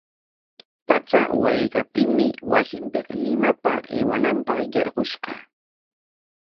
Patsa waraykaptinmi wasinpik Limapa aywananpaq yarqushqa.